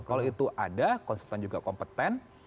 kalau itu ada konsultan juga kompeten